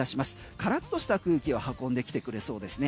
からっとした空気を運んできてくれそうですね。